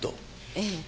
ええ。